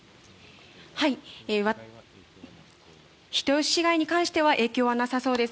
人吉市街に関しては影響はなさそうです。